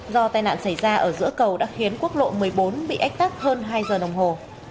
do tai nạn xảy ra ở giữa cầu đã khiến quốc lộ một mươi bốn bị ách tắc hơn hai giờ đồng hồ